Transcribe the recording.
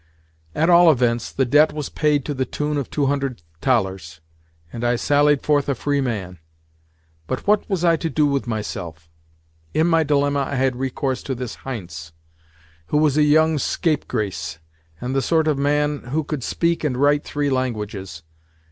At all events, the debt was paid to the tune of two hundred thalers, and I sallied forth a free man. But what was I to do with myself? In my dilemma I had recourse to this Heintze, who was a young scapegrace, and the sort of man who could speak and write three languages.